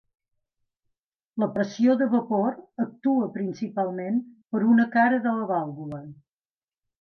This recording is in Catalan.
La pressió de vapor actua, principalment, per una cara de la vàlvula.